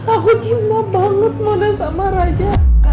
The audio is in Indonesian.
aku cinta banget mana sama raja